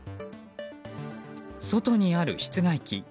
外にある室外機。